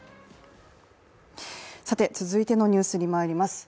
続いてのニュースにまいります。